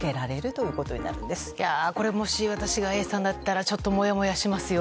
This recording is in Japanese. いやー、これもし私がＡさんだったら、ちょっともやもやしますよ。